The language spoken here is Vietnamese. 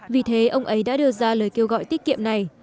vì thế ông ấy đã đưa ra lời kêu gọi tiết kiệm này